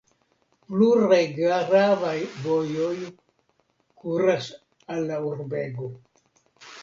Pluraj gravaj vojoj kuras al la urbego.